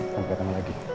sampai ketemu lagi